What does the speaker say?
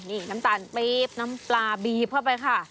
นี่น้ำตาลปี๊บน้ำปลาบีบเข้าไปค่ะ